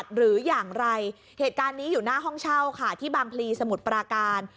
หรืออย่างไรเหตุการณ์นี้อยู่หน้าห้องเช่าค่ะที่บางพลีสมุทรปราการ